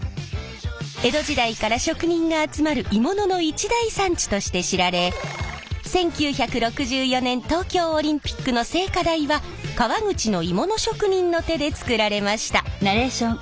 江戸時代から職人が集まる鋳物の一大産地として知られ１９６４年東京オリンピックの聖火台は川口の鋳物職人の手で作られました。